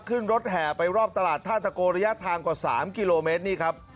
ขึ้นรถแห่ไปรอบตลาดท่าตะโกระยะทางกว่า๓กิโลเมตรนี่ครับ